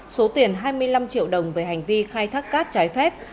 số tiền hai mươi năm triệu đồng về hành vi khai thác cát trái phép